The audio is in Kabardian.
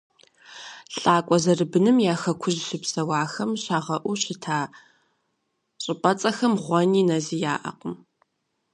Лӏакъуэ зэрыбыным я Хэкужь щыпсэуахэм щагъэӏуу щыта щӏыпӏэцӏэхэм гъуни нэзи яӏэкъым.